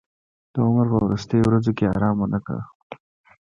د عمر په وروستیو ورځو کې ارام ونه کړ.